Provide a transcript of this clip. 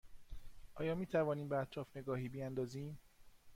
آیا می توانیم به اطراف نگاهی بیاندازیم؟